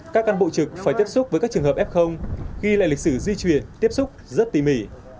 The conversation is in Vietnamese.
các cán bộ trực phải tiếp xúc với các trường hợp f ghi lại lịch sử di chuyển tiếp xúc rất tỉ mỉ